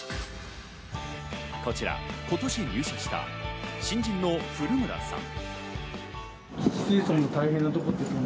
こちら今年入社した新人の古村さん。